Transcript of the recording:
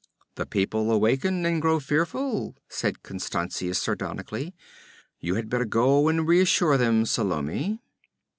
'The people awaken and grow fearful,' said Constantius sardonically. 'You had better go and reassure them, Salome!'